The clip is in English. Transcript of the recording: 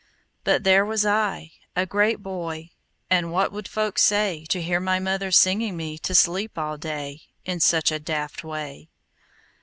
But there was I, a great boy, And what would folks say To hear my mother singing me To sleep all day, In such a daft way?